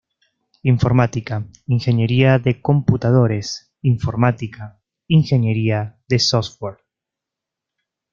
Informática: Ingeniería de Computadores; Informática; Ingeniería de Software.